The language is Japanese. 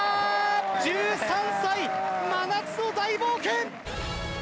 １３歳、真夏の大冒険！